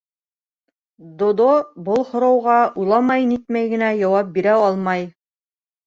Додо был һорауға уйламай-нитмәй генә яуап бирә алмай